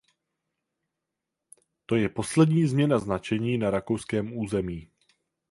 To je poslední změna značení na rakouském území.